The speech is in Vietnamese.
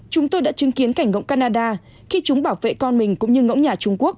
chúng tôi đã chứng kiến cảnh ngộng canada khi chúng bảo vệ con mình cũng như ngẫu nhà trung quốc